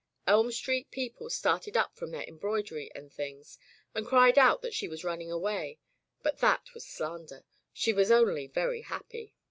Elm Street people started up from their embroidery and things and cried out that she was running away, but that was slander. She was only very happy.